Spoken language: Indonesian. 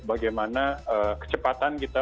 bagaimana kecepatan kita